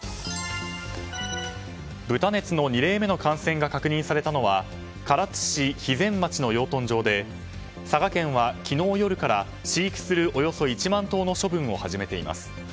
豚熱の２例目の感染が確認されたのは唐津市肥前町の養豚場で佐賀県は昨日夜から飼育するおよそ１万頭の処分を始めています。